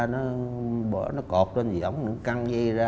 nó cột trên giống nó căng dây ra